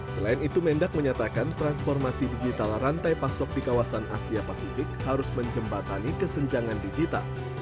selain itu mendak menyatakan transformasi digital rantai pasok di kawasan asia pasifik harus menjembatani kesenjangan digital